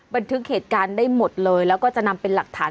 บันทึกเหตุการณ์ได้หมดเลยแล้วก็จะนำเป็นหลักฐาน